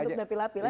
untuk dapil apil lain